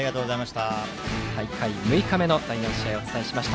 大会６日目の第４試合をお伝えしました。